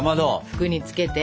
服につけて。